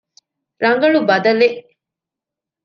ރަނގަޅު ބަދަލެއް؟